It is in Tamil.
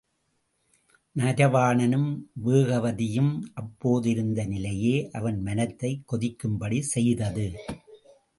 நரவாணனும் வேகவதியும் அப்போது இருந்த நிலையே அவன் மனத்தைக் கொதிக்கும் படி செய்தது.